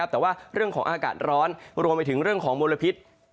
แต่ว่าเรื่องของอากาศร้อนรวมไปถึงเรื่องของมลพิษ